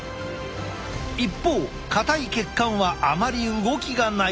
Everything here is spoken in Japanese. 一方硬い血管はあまり動きがない。